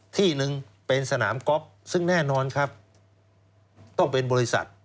ที่หนึ่งเป็นสนามก๊อฟซึ่งแน่นอนครับต้องเป็นบริษัท